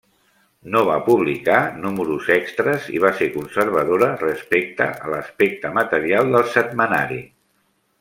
No va publicar números extres, i va ser conservadora respecte a l'aspecte material del setmanari.